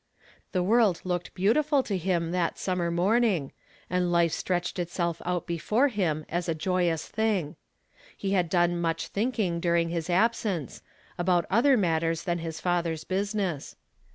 The world looked beautiful to him that sununer morning, and life stretched itsell out before him as a joyous thing. He had done much 'Mnking during his absence, about other matters than his father's business.